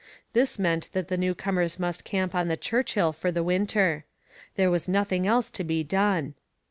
This meant that the newcomers must camp on the Churchill for the winter; there was nothing else to be done.